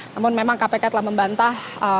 namun memang kpk telah membantah